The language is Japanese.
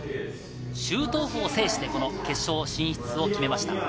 シュートオフを制して決勝進出を決めました。